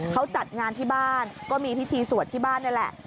เขาจัดงานที่บ้านก็มีพิธีสวดที่บ้านนี่แหละ